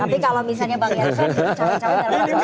tapi kalau misalnya bang janshon itu cowok cowoknya